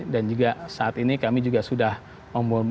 dan juga saat ini kami juga sudah memobilisasi